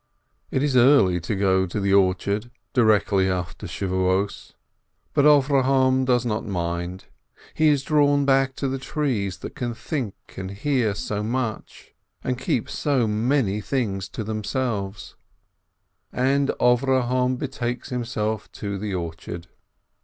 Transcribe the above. It is early to go to the orchard directly after the Feast of Weeks, but Avrdhom does not mind, he is drawn back to the trees that can think and hear so much, and keep so many things to themselves. AVROHOM THE ORCHARD KEEPER 429 And Avrohom betakes himself to the orchard.